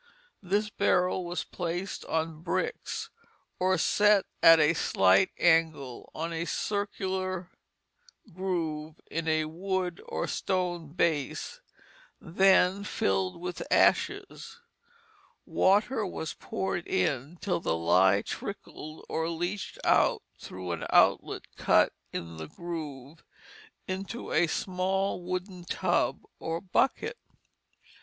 This barrel was placed on bricks or set at a slight angle on a circular groove in a wood or stone base; then filled with ashes; water was poured in till the lye trickled or leached out through an outlet cut in the groove, into a small wooden tub or bucket.